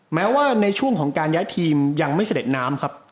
แม้ว่าในช่วงของการย้ายทีมยังไม่เสด็จน้ำครับ